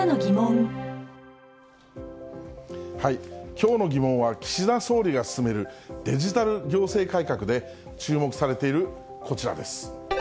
きょうのギモンは、岸田総理が進めるデジタル行政改革で注目されているこちらです。